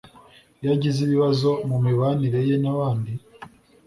Iyo agize ibibazo mu mibanire ye n’abandi